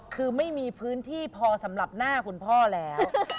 คือไม่มีพื้นที่พอสำหรับหน้าคุณพ่อแล้ว